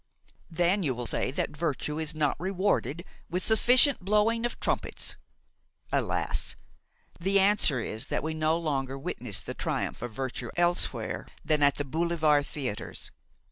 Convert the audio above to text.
Then you will say that virtue is not rewarded with sufficient blowing of trumpets. Alas! the answer is that we no longer witness the triumph of virtue elsewhere than at the boulevard theatres.